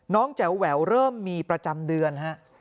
แจ๋วแหววเริ่มมีประจำเดือนฮะ